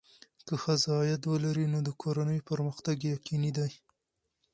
که ښځه عاید ولري، نو د کورنۍ پرمختګ یقیني دی.